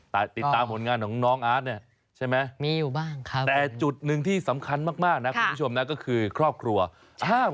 ติดตามผลงานของน้องอาร์ตเนี่ยใช่ไหม